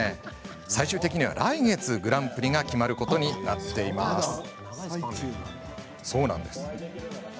最終的には来月グランプリが決まるそうなんです。